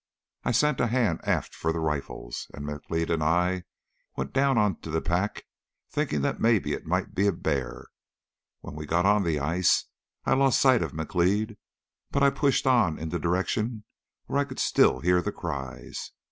I sent a hand aft for the rifles, and M'Leod and I went down on to the pack, thinking that maybe it might be a bear. When we got on the ice I lost sight of M'Leod, but I pushed on in the direction where I could still hear the cries.